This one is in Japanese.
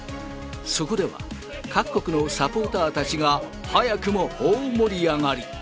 そこでは、各国のサポーターたちが早くも大盛り上がり。